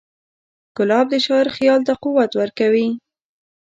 ګلاب د شاعر خیال ته قوت ورکوي.